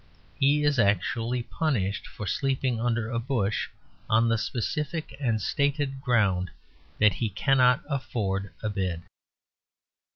He is actually punished for sleeping under a bush on the specific and stated ground that he cannot afford a bed.